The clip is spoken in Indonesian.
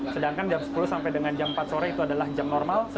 sedangkan jam sepuluh sampai dengan jam empat sore itu adalah jam normal